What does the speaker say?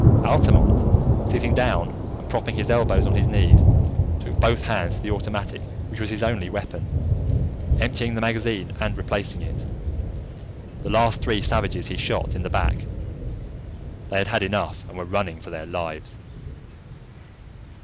Altamont, sitting down and propping his elbows on his knees, took both hands to the automatic which was his only weapon, emptying the magazine and replacing it. The last three savages he shot in the back: they had had enough and were running for their lives.